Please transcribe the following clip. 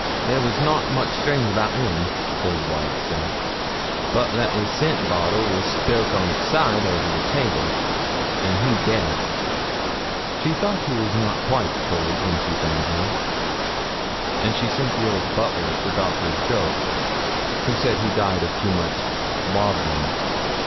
'There was nout much strange about him,' old Wyat said, 'but that his scent bottle was spilt on its side over on the table, and he dead.' She thought he was not quite cold when she found him, and she sent the old butler for Doctor Jolks, who said he died of too much 'loddlum.'